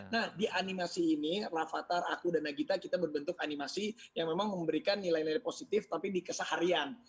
nah di animasi ini rafatar aku dan nagita kita berbentuk animasi yang memang memberikan nilai nilai positif tapi di keseharian